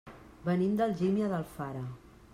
Venim d'Algímia d'Alfara.